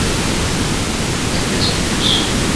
Amenez-en plus.